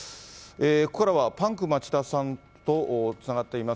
ここからは、パンク町田さんとつながっています。